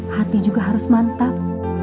hati juga harus mantap